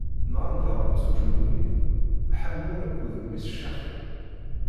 Nɣan daɣen s ujenwi, Ḥamur akked mmi-s Caxim.